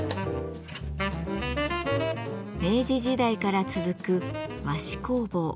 明治時代から続く和紙工房。